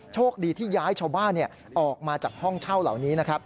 โชคดีที่ย้ายชาวบ้านออกมาจากห้องเช่าเหล่านี้นะครับ